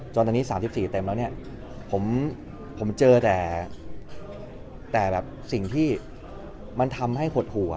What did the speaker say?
ตอนนี้๓๔เต็มแล้วเนี่ยผมเจอแต่แบบสิ่งที่มันทำให้หดหัว